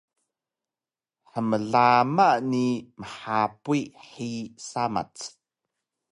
hmlama ni mhapuy hiyi samac